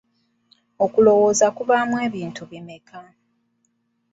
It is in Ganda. Okulowooza kubaamu ebintu bimeka?